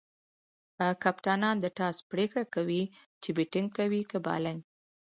کپتانان د ټاس پرېکړه کوي، چي بيټینګ کوي؛ که بالینګ.